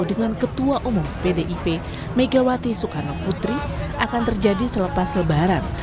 dengan ketua umum pdip megawati soekarno putri akan terjadi selepas lebaran